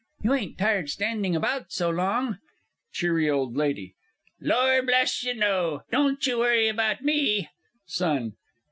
You ain't tired standing about so long? CH. O. L. Lor' bless you, no. Don't you worry about me. SON.